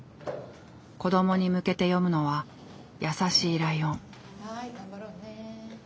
子どもに向けて読むのは「やさしいライオン」。